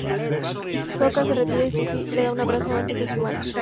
Sokka se retira y Suki le da un abrazo antes de su marcha.